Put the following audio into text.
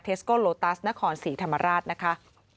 สโกโลตัสนครศรีธรรมราชนะคะ